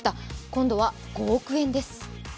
今度は５億円です。